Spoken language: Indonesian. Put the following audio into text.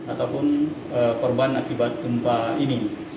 ataupun korban akibat gempa ini